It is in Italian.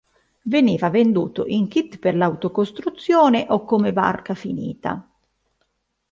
Veniva venduto in kit per l'autocostruzione o come barca finita.